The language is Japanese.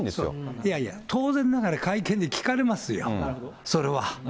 いやいや、当然ながら会見で聞かれますよ、それは。